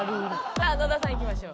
さあ野田さんいきましょう。